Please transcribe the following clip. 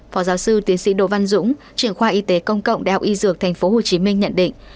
phó giáo sư tiến sĩ đồ văn dũng truyền khoa y tế công cộng đh y dược tp hcm nhận định